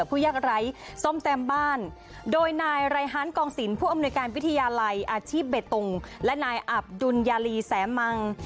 ผู้ยากไร้ส้มแตมบ้านโดยนายไรฮานกองศิลป์ผู้อำนวยการวิทยาลัยอาชีพเบตงและนายอับดุลยาลีแสมัง